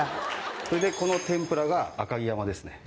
それでこの天ぷらが赤城山ですね